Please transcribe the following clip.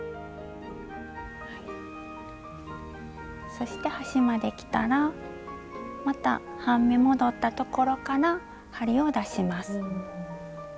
そして端まできたらまた半目戻ったところから針を出します。